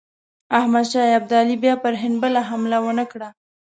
احمدشاه ابدالي بیا پر هند بله حمله ونه کړه.